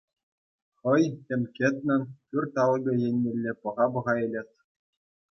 Хӑй, тем кӗтнӗн, пӳрт алӑкӗ еннелле пӑха-пӑха илет.